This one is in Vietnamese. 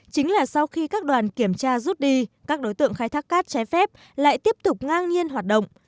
chính là sau khi các đoàn kiểm tra rút đi các đối tượng khai thác cát trái phép lại tiếp tục ngang nhiên hoạt động